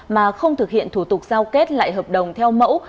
mà không thực hiện thủ tục giao kết lại hợp đồng theo mẫu